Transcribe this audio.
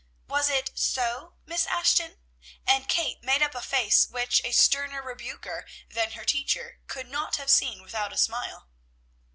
Was it so, Miss Ashton?" and Kate made up a face which a sterner rebuker than her teacher could not have seen without a smile.